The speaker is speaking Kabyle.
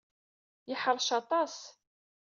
Yeḥṛec aṭas.